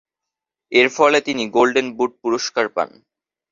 এরফলে তিনি golden boot পুরস্কার পান।